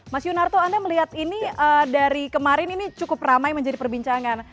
mas yunarto anda melihat ini dari kemarin ini cukup ramai menjadi perbincangan